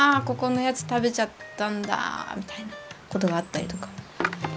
ここのやつ食べちゃったんだみたいなことがあったりとか。